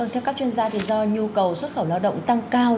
theo các chuyên gia do nhu cầu xuất khẩu lao động tăng cao